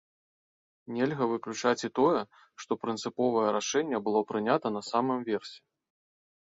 Нельга выключаць і тое, што прынцыповае рашэнне было прынята на самым версе.